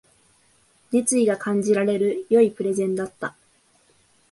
熱意が感じられる良いプレゼンだった